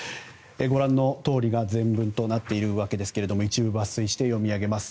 ご覧のとおりが全文となっていますが一部抜粋して、読み上げます。